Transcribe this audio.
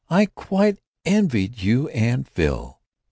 I quite envied you and Phil."